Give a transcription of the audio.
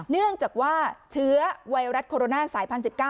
เนื่องจากว่าเชื้อไวรัสโคโรนาสายพัน๑๙